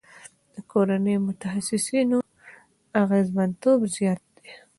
د کورني متخصصینو اغیزمنتوب زیات دی.